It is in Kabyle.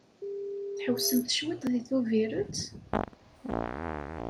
Tḥewwsemt cwiṭ deg Tubirett?